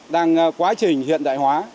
đang quá trình hiện đại hóa